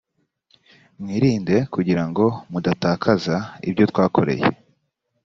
mwirinde kugira ngo mudatakaza ibyo twakoreye